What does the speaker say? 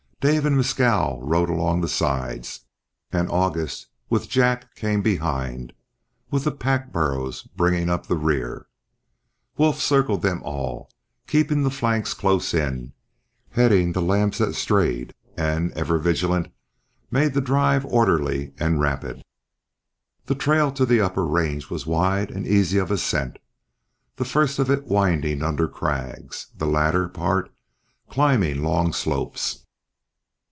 Dave and Mescal rode along the sides, and August with Jack came behind, with the pack burros bringing up the rear. Wolf circled them all, keeping the flanks close in, heading the lambs that strayed, and, ever vigilant, made the drive orderly and rapid. The trail to the upper range was wide and easy of ascent, the first of it winding under crags, the latter part climbing long slopes.